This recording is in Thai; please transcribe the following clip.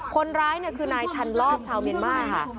คนร้ายเนี่ยคือนายชันรอบชาวเมียนมาร์ค่ะ